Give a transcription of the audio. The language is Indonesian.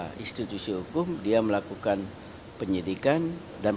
penyidikannya dilakukan oleh pak juhani dan dia melakukan penyidikan dan penuntutan